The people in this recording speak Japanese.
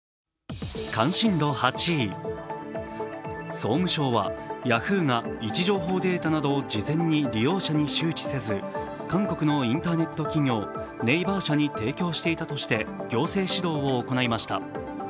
総務省はヤフーが位置情報データなどを事前に利用者に周知せず韓国のインターネット企業、ＮＡＶＥＲ社に提供していたとして行政指導を行いました。